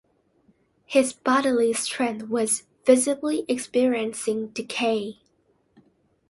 His bodily strength was visibly experiencing decay.